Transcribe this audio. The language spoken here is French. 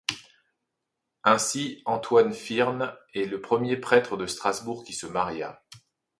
Ainsi Antoine Firn est le premier prêtre de Strasbourg qui se maria.